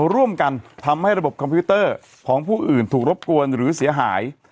ร่วมกันทำให้ระบบคอมพิวเตอร์ของผู้อื่นถูกรบกวนหรือเสียหาย